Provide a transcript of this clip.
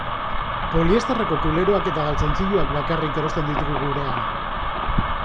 Poliesterreko kuleroak eta galtzontziloak bakarrik erosten ditugu gurean.